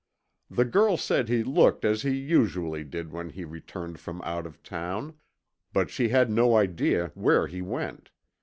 The girl said he looked as he usually did when he returned from out of town, but she had no idea where he went.